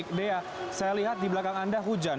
dea saya lihat di belakang anda hujan